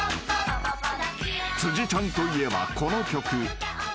［辻ちゃんといえばこの曲］